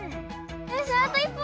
よしあと１本！